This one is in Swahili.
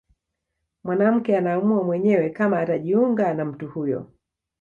Mwanamke anaamua mwenyewe kama atajiunga na mtu huyo